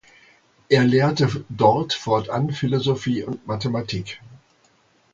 Er lehrte dort fortan Philosophie und Mathematik.